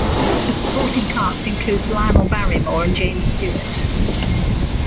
The supporting cast includes Lionel Barrymore and James Stewart.